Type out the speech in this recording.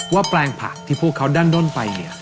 แปลงผักที่พวกเขาดั้นด้นไปเนี่ย